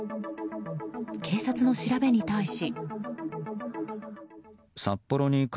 警察の調べに対し。